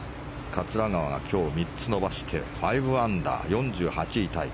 桂川が今日３つ伸ばして５アンダー、４８位タイ。